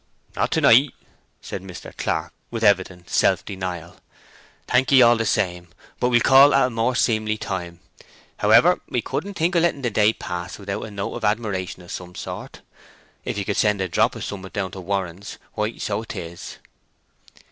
"Not to night," said Mr. Clark, with evident self denial. "Thank ye all the same; but we'll call at a more seemly time. However, we couldn't think of letting the day pass without a note of admiration of some sort. If ye could send a drop of som'at down to Warren's, why so it is.